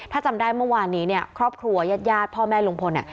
ถ้าจำได้เมื่อวานนี้ครอบครัวยาดพ่อแม่ลุงพล